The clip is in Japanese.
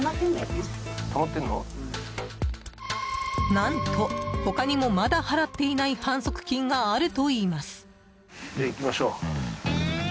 何と、他にもまだ払っていない反則金があるといいます。